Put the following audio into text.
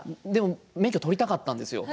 免許取りたかったんですよ。